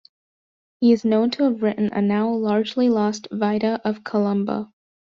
He is known to have written a now largely lost "Vita" of Columba.